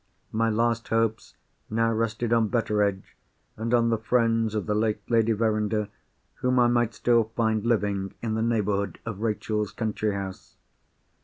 My last hopes now rested on Betteredge, and on the friends of the late Lady Verinder whom I might still find living in the neighbourhood of Rachel's country house.